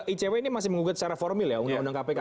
icw ini masih mengugat secara formil ya